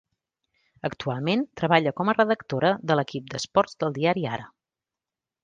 Actualment treballa com a redactora de l'equip d'esports del diari Ara.